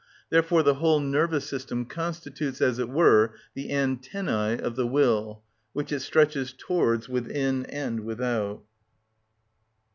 Therefore the whole nervous system constitutes, as it were, the antennæ of the will, which it stretches towards within and without.